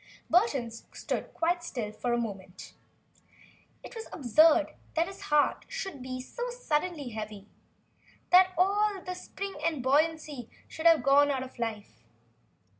Burton stood quite still for a moment. It was absurd that his heart should be so suddenly heavy, that all the spring and buoyancy should have gone out of life!